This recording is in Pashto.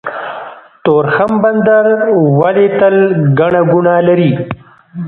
تورخم بندر ولې تل ګڼه ګوڼه لري؟